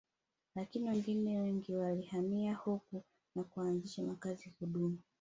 Lakini pia wageni wengi walihamia huku na kuanzisha makazi ya kudumu